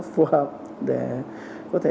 phù hợp để có thể